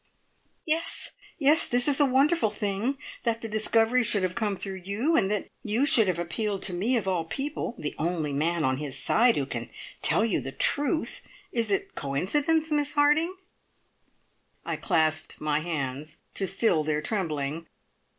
"Yes! yes! this is a wonderful thing! That the discovery should have come through you, and that you should have appealed to me of all people the only man on this side who can tell you the truth! Is it coincidence, Miss Harding?" I clasped my hands to still their trembling.